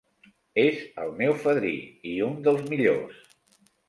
És el meu fadrí, i un dels millors.